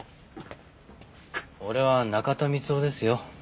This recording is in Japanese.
俺は中田光夫ですよ。